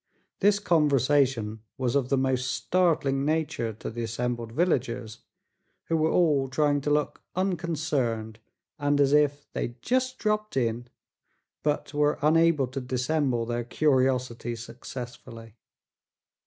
This conversation was of the most startling nature to the assembled villagers, who were all trying to look unconcerned and as if "they'd jest dropped in," but were unable to dissemble their curiosity successfully.